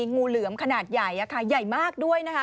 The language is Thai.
งูเหลือมขนาดใหญ่ใหญ่มากด้วยนะคะ